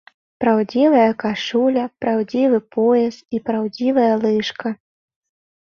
Праўдзівая кашуля, праўдзівы пояс і праўдзівая лыжка.